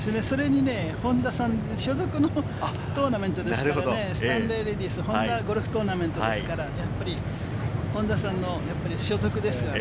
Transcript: それにね、ホンダさん、所属のトーナメントですからね、スタンレーレディスゴルフトーナメントですから、ホンダさんの所属ですので。